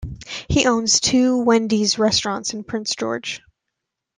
He owns two Wendy's Restaurants in Prince George.